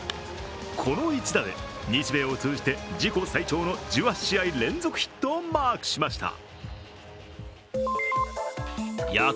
この一打で日米を通じて自己最長の１８試合連続ヒットをマークしました。